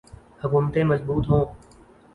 حکومتیں مضبوط ہوں۔